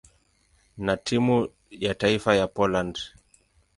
na timu ya taifa ya Poland.